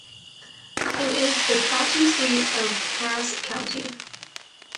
It is the county seat of Cass County.